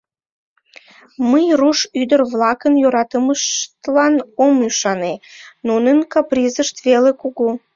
Мый руш ӱдыр-влакын йӧратымыштлан ом ӱшане, нунын капризышт веле кугу.